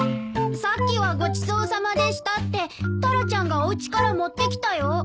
「さっきはごちそうさまでした」ってタラちゃんがおうちから持ってきたよ。